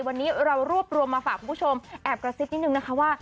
วันนี้เรารวบรวมมาฝากคุณผู้ชมแอบกระซิบนิดนึงนะคะว่า